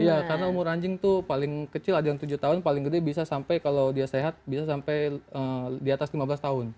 iya karena umur anjing itu paling kecil ada yang tujuh tahun paling gede bisa sampai kalau dia sehat bisa sampai di atas lima belas tahun